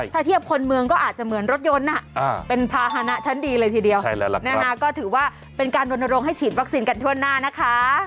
ถ้าเทียบคนเมืองก็อาจจะเหมือนรถยนต์เป็นภาษณะชั้นดีเลยทีเดียวก็ถือว่าเป็นการรณรงค์ให้ฉีดวัคซีนกันทั่วหน้านะคะ